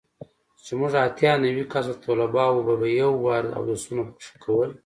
چې موږ اتيا نوي کسه طلباو به په يو وار اودسونه پکښې کول.